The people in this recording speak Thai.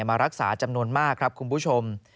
มารักษาจำนวนมากครับคุณผู้ชม